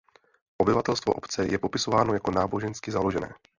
Obyvatelstvo obce je popisováno jako nábožensky založené.